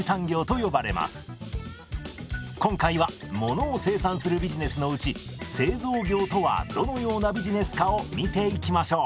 今回はものを生産するビジネスのうち製造業とはどのようなビジネスかを見ていきましょう。